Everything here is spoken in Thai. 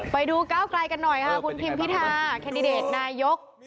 ไปดูก้าวไกลกันหน่อยค่ะคุณพิมพิธาแคนดิเดตนายก